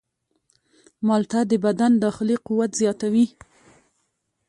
مالټه د بدن داخلي قوت زیاتوي.